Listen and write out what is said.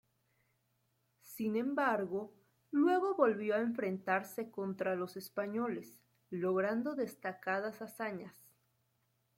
Sin embargo, luego volvió a enfrentarse contra los españoles, logrando destacadas hazañas.